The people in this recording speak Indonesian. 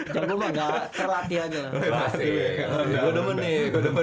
jago mah nggak terlatih aja